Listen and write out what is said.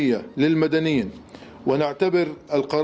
dan kita menganggap keputusan yang diperkenalkan